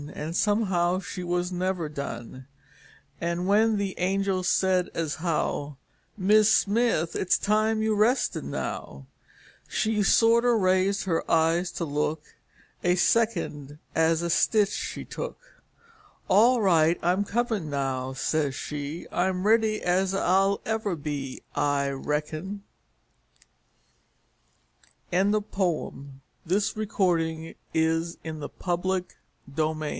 An' somehow she was never done; An' when the angel said, as how " Mis' Smith, it's time you rested now," She sorter raised her eyes to look A second, as a^ stitch she took; All right, I'm comin' now," says she, I'm ready as I'll ever be, I reckon," Albert Bigelow Paine. 120 The Eternal Feminine TRIOLET